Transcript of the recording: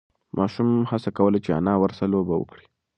ماشوم هڅه کوله چې انا ورسه لوبه وکړي.